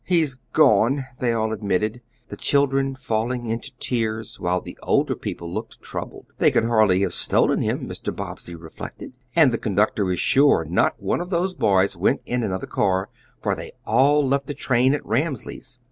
"He's gone!" they all admitted, the children falling into tears, while the older people looked troubled. "They could hardly have stolen him," Mr. Bobbsey reflected, "and the conductor is sure not one of those boys went in another car, for they all left the train at Ramsley's."